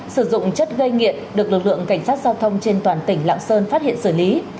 sử dụng chất gây nghiện được lực lượng cảnh sát giao thông trên toàn tỉnh lạng sơn phát hiện xử lý